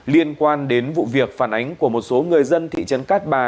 liên quan đến vụ việc phản ánh của một số người dân thị trấn cát bà